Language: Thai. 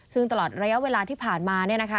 ซึ่งตลอดระยะเวลาที่ผ่านมา